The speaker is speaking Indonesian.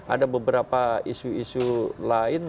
ada beberapa isu isu lain